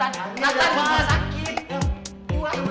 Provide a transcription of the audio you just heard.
nathan rumah sakit